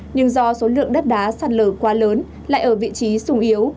nhưng do số lượng đất đá sạt lở quá lớn lại ở vị trí sung yếu